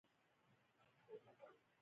لکه د اوبو، خوړو او خوب لپاره د پناه ځای.